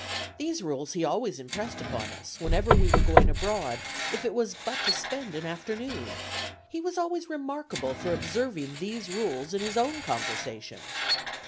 These rules he always impressed upon us, whenever we were going abroad, if it was but to spend an afternoon. He was always remarkable for observing these rules in his own conversation."